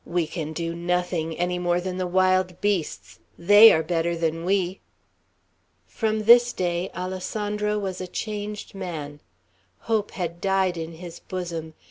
We can do nothing, any more than the wild beasts. They are better than we." From this day Alessandro was a changed man. Hope had died in his bosom.